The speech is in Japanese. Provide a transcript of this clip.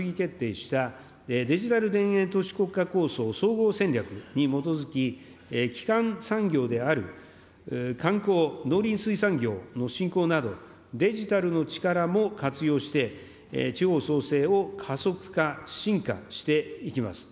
昨年１２月に閣議決定したデジタル田園都市国家構想総合戦略に関し、基幹産業である観光、農林水産業の振興など、デジタルの力も活用して、地方創生を加速化、進化していきます。